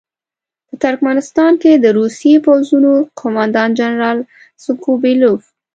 د ترکمنستان کې د روسي پوځونو قوماندان جنرال سکو بیلوف.